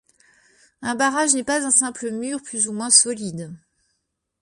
Un barrage n'est pas un simple mur plus ou moins solide.